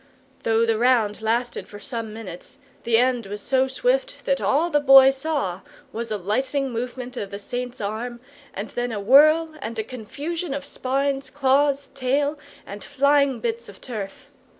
Though the round lasted for some minutes, the end was so swift that all the Boy saw was a lightning movement of the Saint's arm, and then a whirl and a confusion of spines, claws, tail, and flying bits of turf.